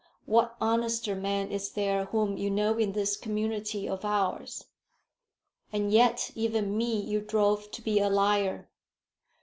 What honester man is there whom you know in this community of ours? And yet even me you drove to be a liar.